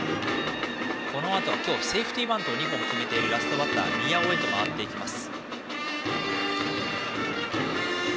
このあとセーフティーバントを２本決めているラストバッター宮尾へ回ります。